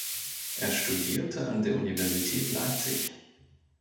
Er studierte an der Universität Leipzig.